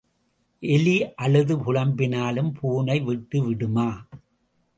எலி அழுது புலம்பினாலும் பூனை விட்டுவிடுமா?